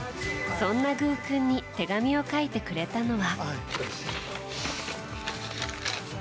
そんなグーくんに手紙を書いてくれたのは。